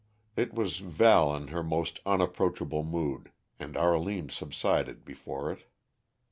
It was Val in her most unapproachable mood, and Arline subsided before it.